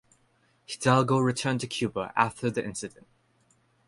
Hidalgo returned to Cuba after the incident.